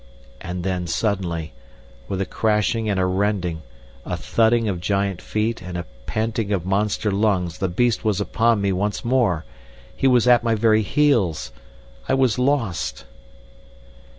And then suddenly, with a crashing and a rending, a thudding of giant feet and a panting of monster lungs the beast was upon me once more. He was at my very heels. I was lost.